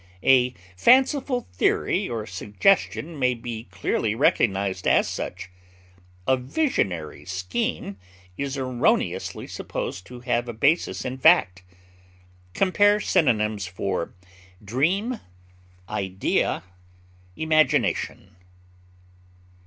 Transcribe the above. A fanciful theory or suggestion may be clearly recognized as such; a visionary scheme is erroneously supposed to have a basis in fact. Compare synonyms for DREAM; IDEA; IMAGINATION.